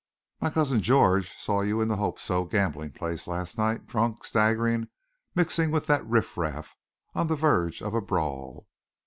"My cousin George saw you in the Hope So gambling place last night, drunk, staggering, mixing with that riffraff, on the verge of a brawl."